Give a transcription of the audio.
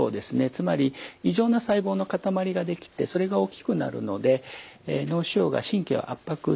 つまり異常な細胞の塊ができてそれが大きくなるので脳腫瘍が神経を圧迫します。